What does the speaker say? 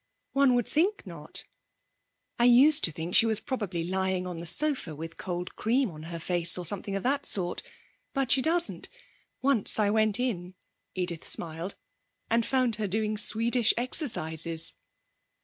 'One would think not. I used to think she was probably lying on the sofa with cold cream on her face, or something of that sort. But she doesn't. Once I went in,' Edith smiled, 'and found her doing Swedish exercises.'